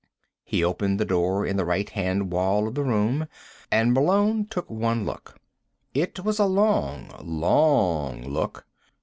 He opened the door in the right hand wall of the room, and Malone took one look. It was a long, long look.